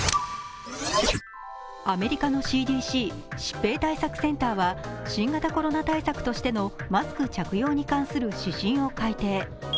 アメリカのＣＤＣ＝疾病対策センターは新型コロナ対策としてのマスク着用に関する指針を改定。